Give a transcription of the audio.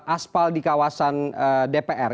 aspal di kawasan dpr